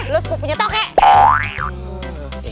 lu sepupunya tokek